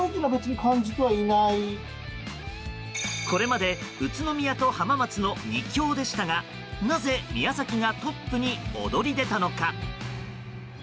これまで宇都宮と浜松の２強でしたがなぜ宮崎がトップに躍り出たのか。